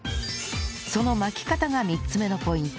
その巻き方が３つ目のポイント